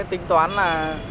tính toán là